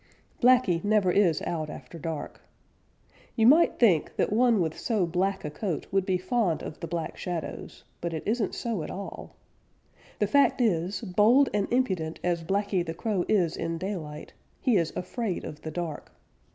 Blacky never is out after dark. You might think that one with so black a coat would be fond of the Black Shadows, but it isn't so at all. The fact is, bold and impudent as Blacky the Crow is in daylight, he is afraid of the dark.